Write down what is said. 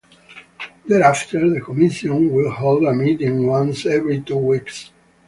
Thereafter, the Commission will hold a meeting once every two weeks.